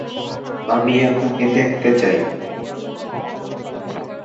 তার পৈতৃক নিবাস রাজস্থানের উদয়পুর, এবং তিনি একজন রাজপুত।